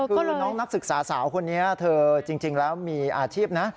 คือน้องนักศึกษาสาวคนนี้เธอจริงแล้วมีอาชีพนะ